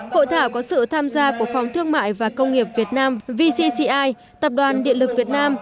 hội thảo có sự tham gia của phòng thương mại và công nghiệp việt nam vcci tập đoàn điện lực việt nam